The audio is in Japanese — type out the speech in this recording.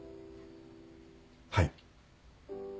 はい。